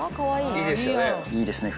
いいですね。